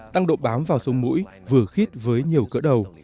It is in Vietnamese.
tăng độ bám vào sông mũi vừa khít với nhiều cỡ đầu